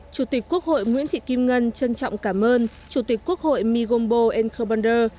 chủ tịch quốc hội nguyễn thị kim ngân trân trọng cảm ơn chủ tịch quốc hội migombo n kherbander